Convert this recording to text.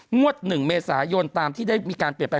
งวด๑เมษายนตามที่ได้มีการเปลี่ยนไป